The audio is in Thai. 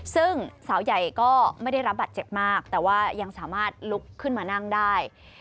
ซึ่งสาวใหญ่ก็ไม่ได้รับบัตรเจ็บมากแต่ว่ายังสามารถลุกขึ้นมานั่งได้